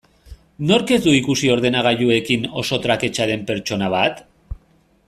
Nork ez du ikusi ordenagailuekin oso traketsa den pertsona bat?